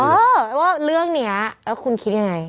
เออว่าเรื่องนี้แล้วคุณคิดยังไง